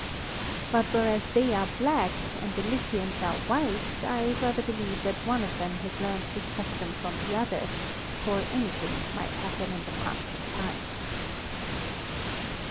But, whereas they are black and the Lycians are white, I rather believe that one of them has learned this custom from the other; for anything might happen in the past of time.